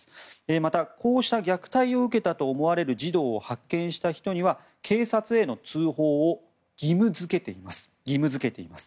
また、こうした虐待を受けたと思われる児童を発見した人には警察への通報を義務付けています。